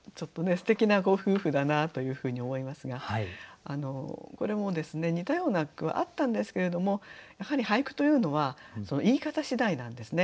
すてきなご夫婦だなというふうに思いますがこれも似たような句あったんですけれどもやはり俳句というのは言い方次第なんですね。